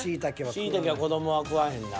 しいたけは子どもは食わへんな。